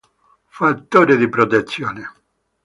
Fattore di protezione